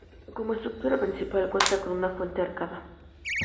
Como estructura principal, cuenta con una fuente arcada.